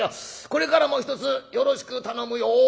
これからもひとつよろしく頼むよ。